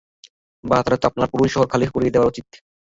বাহ্, তাহলে তো আপনাদের পুরো শহরই খালি করিয়ে দেওয়া উচিত।